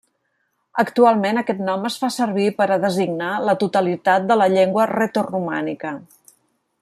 Actualment aquest nom es fa servir per a designar la totalitat de la llengua retoromànica.